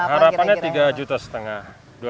harapannya tiga juta setengah